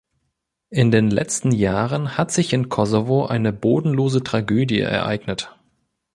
In den letzten Jahren hat sich im Kosovo eine bodenlose Tragödie ereignet.